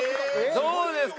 どうですか？